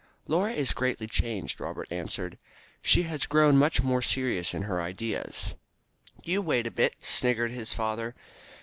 "Laura is greatly changed," Robert answered; "she has grown much more serious in her ideas." "You wait a bit!" sniggered his father.